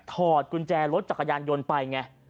อดกุญแจรถจักรยานยนต์ไปไง